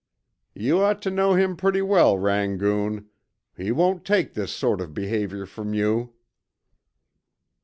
You ought to know him pretty well, Rangoon. He won't take this sort of behavior from you!"